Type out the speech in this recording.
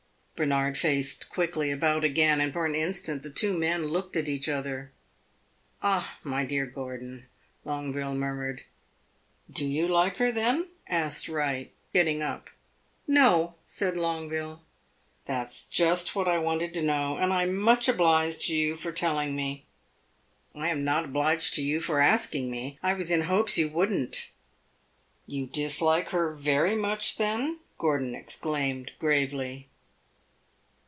Bernard faced quickly about again, and for an instant the two men looked at each other. "Ah, my dear Gordon," Longueville murmured. "Do you like her then?" asked Wright, getting up. "No!" said Longueville. "That 's just what I wanted to know, and I am much obliged to you for telling me." "I am not obliged to you for asking me. I was in hopes you would n't." "You dislike her very much then?" Gordon exclaimed, gravely.